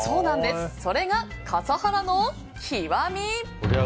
それが笠原の極み。